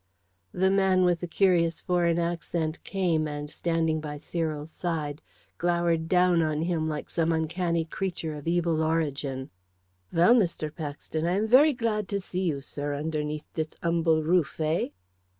The man with the curious foreign accent came, and, standing by Cyril's side, glowered down on him like some uncanny creature of evil origin. "Well, Mr. Paxton, I am very glad to see you, sir, underneath this humble roof eh?"